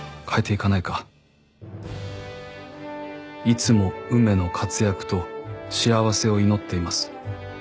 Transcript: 「いつも梅の活躍と幸せを祈っています」